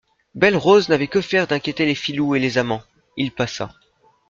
Belle-Rose n'avait que faire d'inquiéter les filous et les amants : il passa.